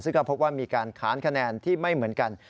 ซึ่งก็พบว่ามีการค้านคะแนนที่ไม่เหมือนกัน